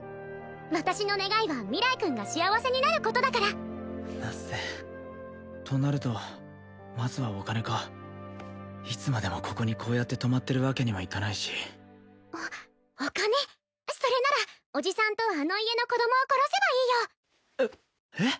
私の願いは明日君が幸せになることだからナッセとなるとまずはお金かいつまでもここにこうやって泊まってるわけにはいかないしお金それなら叔父さんとあの家の子供を殺せばいいよえっ！？